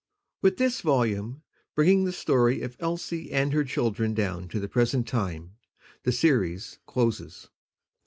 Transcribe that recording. With this volume, bringing the Story of Elsie and her Children down to the present time, the series closes.